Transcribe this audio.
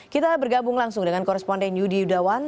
kita bergabung langsung dengan koresponden yudi yudawan